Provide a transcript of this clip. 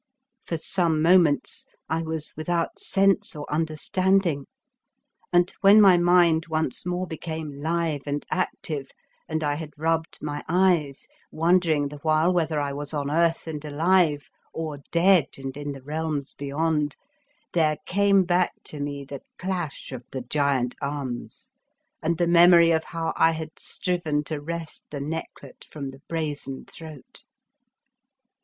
For some moments I was without sense or understanding, and when my mind once more became live and active and I had rubbed my eyes, wondering the while whether I was on earth and alive or dead and in the realms beyond, there came back to me the clash of the giant arms and the memory of how I had striven to wrest the necklet from the brazen throat.